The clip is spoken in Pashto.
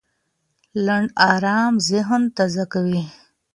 لنډ ارام ذهن تازه کوي.